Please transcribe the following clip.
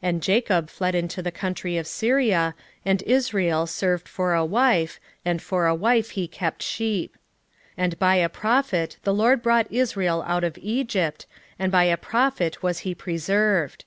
12:12 And Jacob fled into the country of Syria, and Israel served for a wife, and for a wife he kept sheep. 12:13 And by a prophet the LORD brought Israel out of Egypt, and by a prophet was he preserved.